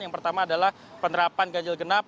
yang pertama adalah penerapan ganjil genap